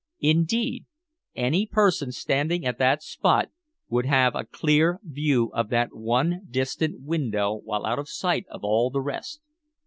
Indeed, any person standing at the spot would have a clear view of that one distant window while out of sight of all the rest.